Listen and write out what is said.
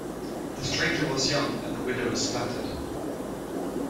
The stranger was young, and the widow was flattered.